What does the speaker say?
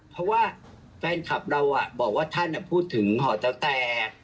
เพราะว่าแฟนคลับเราบอกว่าท่านพูดถึงหอแต้วแต่